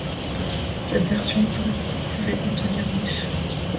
Cette version pouvait contenir niches.